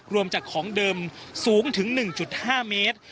รวมจากของเดิมสูงถึง๑๕เมตร